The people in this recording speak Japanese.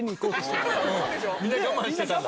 みんな我慢してたんだ。